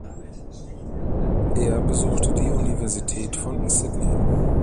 Er besuchte die Universität von Sydney.